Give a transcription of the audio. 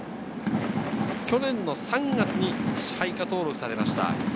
去年の３月に支配下登録されました。